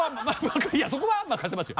いやそこは任せますよ。